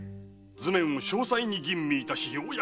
図面を詳細に吟味いたしようやく。